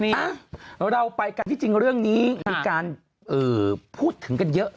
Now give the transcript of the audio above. อ่ะเราไปกันที่จริงเรื่องนี้มีการพูดถึงกันเยอะ